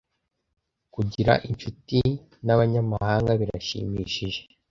Kugira inshuti nabanyamahanga birashimishije.